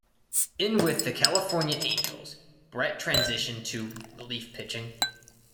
In with the California Angels Brett transitioned to relief pitching.